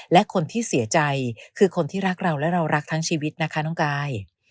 และคนที่เสียใจคือคนที่รักเราและเรารักทั้งชีวิตนะคะน้องกาย